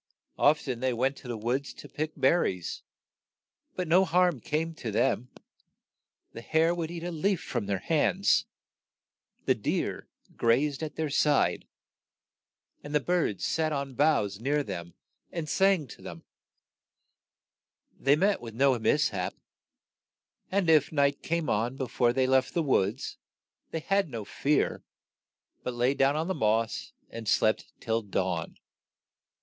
Oft en they went to the woods to pick ber ries, but no harm came to them ; the hare would eat a leaf from their hands, the deer grazed at their side, and the the two sisters. birds sat on the boughs near SNOW WHITE AND RED HOSE 29 them and sang to them. They met with no mis hap ; and it night came on be fore they left the woods, they had no fear, but lay down on the moss and slept till dawn.